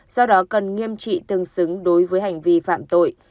do đó cần nghiêm trị tương xứng đối với hành vi phạm tội